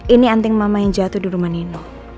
ini anting mama yang jatuh di rumah nino